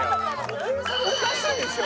おかしいでしょ！